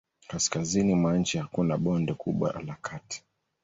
Kaskazini mwa nchi hakuna bonde kubwa la kati.